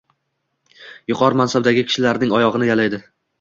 Yuqori mansabdagi kishilarning oyog’ini yalaydi